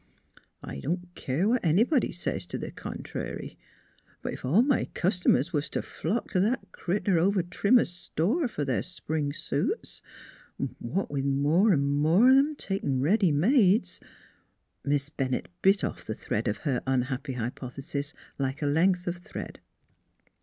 I don't keer what anybody says t' th' contrary; but ef all my cust' mers was t' flock t' that critter over Trimmer's store for their spring suits what with more 'n more o' 'em takin' t' ready mades " Miss Bennett bit off the thread of her unhappy hypothesis like a length of thread.